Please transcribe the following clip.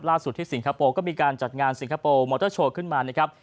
ที่สิงคโปร์ก็มีการจัดงานสิงคโปร์มอเตอร์โชว์ขึ้นมานะครับ